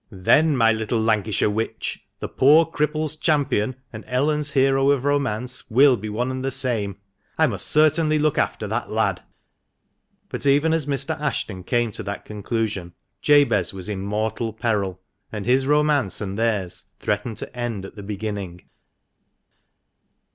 "Then, my little Lancashire witch, the poor cripple's champion and Ellen's hero of romance will be one and the same. I must certainly look after that lad." But even as Mr. Ashton came to that conclusion Jabez was in mortal peril, and his romance and theirs threatened to end at the beginning.